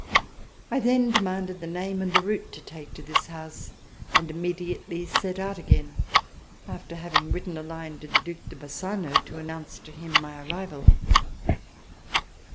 I then demanded the name, and the route to take to this house, and immediately set out again, after having written a line to the Due de Bassano, to announce to him my arrival.